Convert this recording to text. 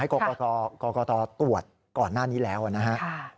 ให้กรกฎตรตรวจก่อนหน้านี้แล้วนะฮะ